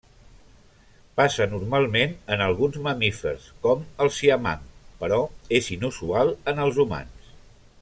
Passa normalment en alguns mamífers com el siamang, però és inusual en els humans.